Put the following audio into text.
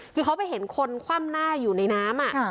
คือเขาไปเห็นคนคว่ำหน้าอยู่ในน้ำ